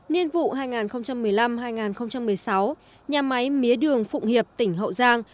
niên vụ hai nghìn một mươi năm hai nghìn một mươi sáu nhà máy mía đường phụng hiệp tỉnh hậu giang